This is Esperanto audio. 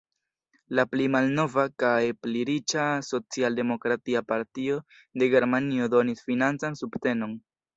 La pli malnova kaj pli riĉa Socialdemokratia Partio de Germanio donis financan subtenon.